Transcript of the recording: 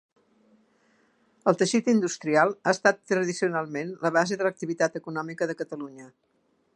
El teixit industrial ha estat tradicionalment la base de l'activitat econòmica de Catalunya.